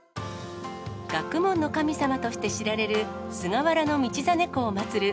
学問の神様として知られる菅原道真公を祭る